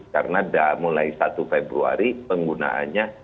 karena mulai satu februari penggunaannya